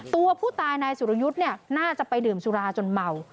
ตัวผู้ตายนายสุรยุทธ์เนี่ยน่าจะไปดื่มสุราจนเมา